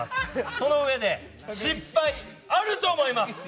そのうえで失敗あると思います。